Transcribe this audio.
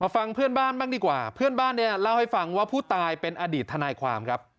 ฟังเพื่อนบ้านบ้างดีกว่าเพื่อนบ้านเนี่ยเล่าให้ฟังว่าผู้ตายเป็นอดีตทนายความครับ